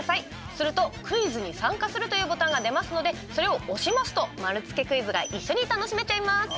すると、クイズに参加するというボタンが出ますのでそれを押しますと丸つけクイズが一緒に楽しめちゃいます！